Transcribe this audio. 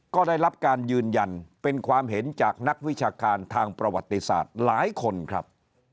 ก็ได้รับการยืนยันเป็นความเห็นจากนักวิชาการทางประวัติศาสตร์หลายคนครับ